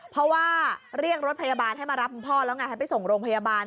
เพราะว่าเรียกรถพยาบาลให้มารับคุณพ่อแล้วไงให้ไปส่งโรงพยาบาล